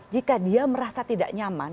jika dia merasa tidak nyaman